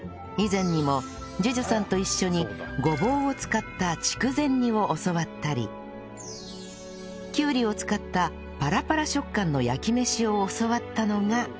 以前にも ＪＵＪＵ さんと一緒にごぼうを使った筑前煮を教わったりきゅうりを使ったパラパラ食感の焼きめしを教わったのが